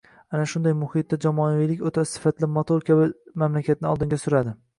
Aynan shunday muhitda jamoaviylik o‘ta sifatli motor kabi mamlakatni oldinga suradi.